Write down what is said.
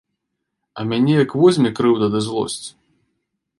А мяне як возьме крыўда ды злосць.